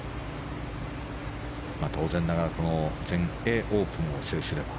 当然ながらこの全英オープンを制すれば